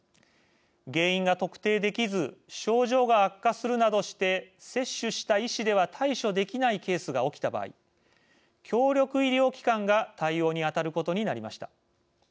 原因が特定できず症状が悪化するなどして接種した医師では対処できないケースが起きた場合協力医療機関が対応に当たることになりました。